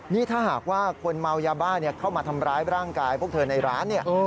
นี่ถ้าหากว่าคนเมายาบ้าเข้ามาทำร้ายร่างกายพวกเธอในร้านเนี่ย